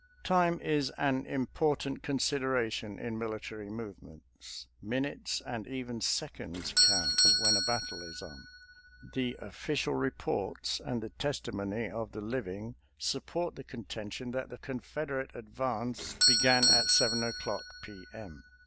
Time is an important consideration in mili tary movements. Minutes and even seconds count when a battle is on. The official reports and the testimony of the living support the con tention that the Confederate advance began at seven o'clock p. m.